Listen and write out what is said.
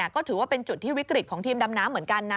ก็ถือว่าเป็นจุดที่วิกฤตของทีมดำน้ำเหมือนกันนะ